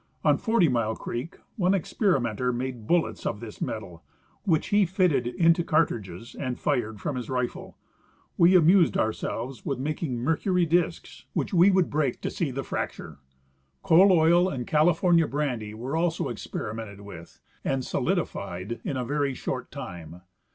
On Forty Mile creek one experimenter made bullets of this metal, Avhich he fitted into cartridges and fired from his rifle. We amused ourselves Avith making mercury discs which Ave Avould Sliort Winter Days and Summer Nights. 187 break to see the fracture. Coal oil and California brandy were also experimented with and solidified in a very short time.